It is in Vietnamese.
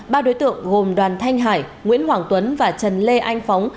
ba đối tượng gồm đoàn thanh hải nguyễn hoàng tuấn và trần lê anh phóng